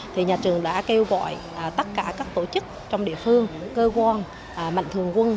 thì nhà trường đã kêu gọi tất cả các tổ chức trong địa phương cơ quan mạnh thường quân